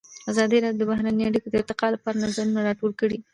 ازادي راډیو د بهرنۍ اړیکې د ارتقا لپاره نظرونه راټول کړي.